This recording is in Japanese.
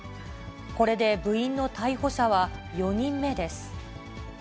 これで部員の逮捕者は４人目です。